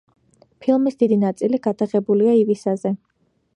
ფილმის დიდი ნაწილი გადაღებულია ივისაზე.